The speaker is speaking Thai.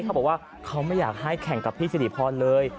เขาบอกว่าเขาไม่อยากให้แข่งกับพี่สิริพรเลย